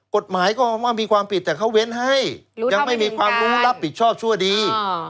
กฎหมายก็ว่ามีความผิดแต่เขาเว้นให้ยังไม่มีความรู้รับผิดชอบชั่วดี